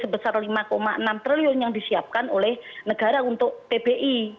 sebesar lima enam triliun yang disiapkan oleh negara untuk pbi